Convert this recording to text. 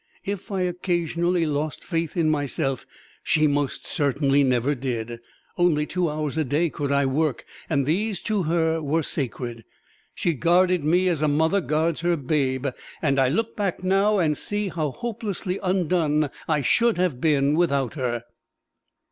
If I occasionally lost faith in myself, she most certainly never did. Only two hours a day could I work, and these to her were sacred. She guarded me as a mother guards her babe, and I look back now and see how hopelessly undone I should have been without her."